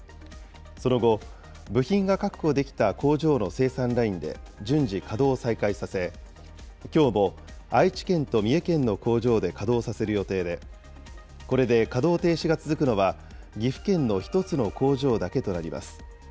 その後、部品が確保できた工場の生産ラインで順次、稼働を再開させ、きょうも愛知県と三重県の工場で稼働させる予定で、これで稼働停止が続くのは、岐阜県の１つの工場だけとなります。